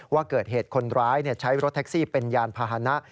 ว่าเกิดเหตุคนร้ายใช้รถแท็กซี่เป็นยานพาหนะ